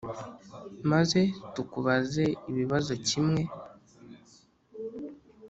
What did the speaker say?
maze tukubaze ibibazo kimwe